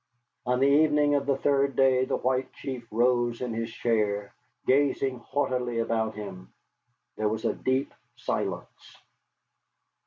On the evening of the third day the White Chief rose in his chair, gazing haughtily about him. There was a deep silence.